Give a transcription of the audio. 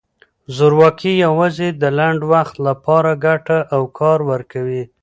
زورواکي یوازې د لنډ وخت لپاره ګټه او کار ورکوي.